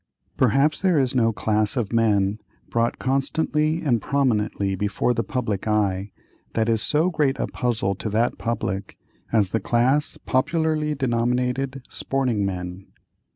Perhaps there is no class of men brought constantly and prominently before the public eye, that is so great a puzzle to that public, as the class popularly denominated "sporting men."